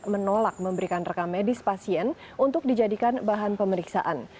menolak memberikan rekamedis pasien untuk dijadikan bahan pemeriksaan